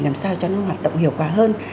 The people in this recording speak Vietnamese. làm sao cho nó hoạt động hiệu quả hơn